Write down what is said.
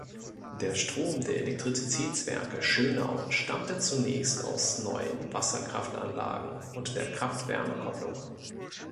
Der Strom der Elektrizitätswerke Schönau stammte zunächst aus neuen Wasserkraftanlagen und der Kraft-Wärme-Kopplung.